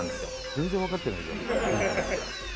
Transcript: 全然わかってないじゃん。